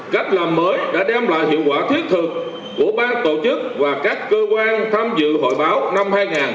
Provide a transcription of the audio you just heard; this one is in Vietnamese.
cách làm mới đã đem lại hiệu quả thiết thực của ban tổ chức và các cơ quan tham dự hội báo năm hai nghìn hai mươi ba